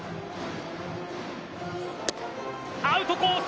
アウトコース！